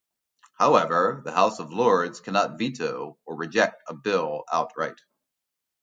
However, the House of Lords cannot veto or reject a bill outright.